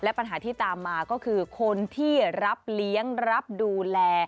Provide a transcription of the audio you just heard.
และปัญหาที่ตามมาก็คือคนที่รับเลี้ยงรับดูแล